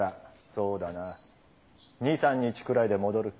そうだな２３日くらいで戻る。